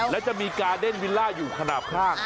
และจะมีการเด้นวิลล่าอยู่ขนาดข้าง